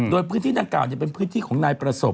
โดยพื้นที่ดังกล่าวเป็นพื้นที่ของนายประสบ